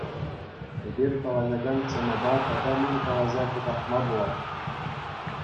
Эпир калаҫакан темӑпа тата мӗн каласа кӑтартма пулать?